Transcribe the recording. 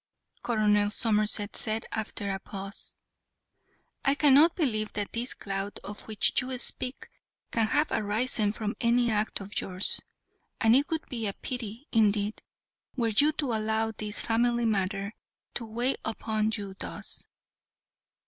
Colonel Somerset said after a pause. "I cannot believe that this cloud of which you speak can have arisen from any act of yours, and it would be a pity indeed were you to allow any family matter to weigh upon you thus."